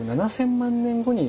７，０００万年後に。